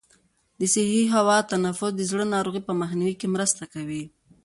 د صحي هوا تنفس د زړه د ناروغیو په مخنیوي کې مرسته کوي.